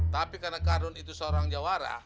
tapi karena karun itu seorang jawara